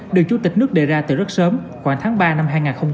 được chủ tịch nước đề ra từ rất sớm khoảng tháng ba năm hai nghìn hai mươi